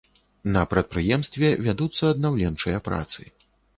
На прадпрыемстве вядуцца аднаўленчыя працы.